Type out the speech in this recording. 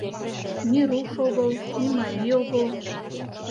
Ни руш огыл, ни марий огыл.